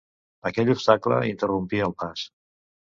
Aquell obstacle interrompia el pas.